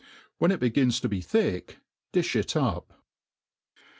When it begins^ to be thick, £i2i* it up.